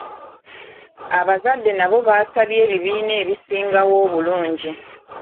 Abazadde nabo baasabye ebibiina ebisingawo obulungi.